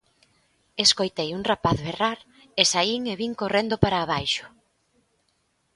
Escoitei un rapaz berrar e saín e vin correndo para abaixo.